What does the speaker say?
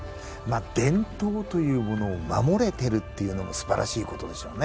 伝統というものを守れてるっていうのもすばらしいことでしょうね。